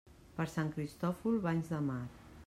Per Sant Cristòfol, banys de mar.